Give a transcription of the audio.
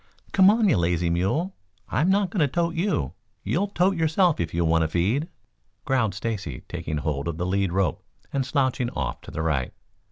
"Come on, you lazy mule. I'm not going to tote you. You'll tote yourself if you want a feed," growled Stacy, taking hold of the lead rope and slouching off to the right.